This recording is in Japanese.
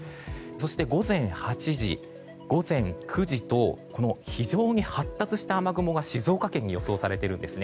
そして午前８時、午前９時と非常に発達した雨雲が静岡県に予想されています。